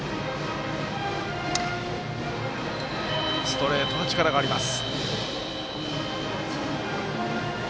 ストレートは力があります。